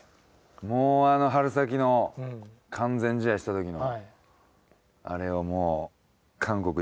もうあの春先の完全試合した時のあれをもう韓国に。